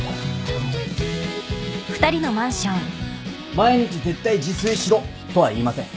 毎日絶対自炊しろとは言いません。